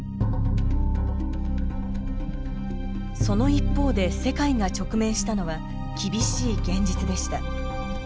その一方で世界が直面したのは厳しい現実でした。